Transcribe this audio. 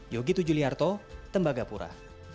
yogi tujuliarto tembagapura